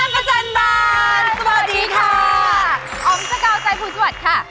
อ๋อมเจ้าเก่าใจผู้สวัสดิ์ค่ะ